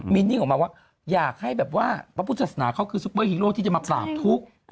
มีนิ่งออกมาว่าอยากให้แบบว่าพระพุทธศาสนาเขาคือซุปเปอร์ฮีโร่ที่จะมาปราบทุกข์